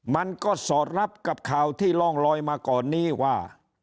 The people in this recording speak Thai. มันก็สอดรับกับข่าวที่ร่องลอยมาก่อนนี้ว่า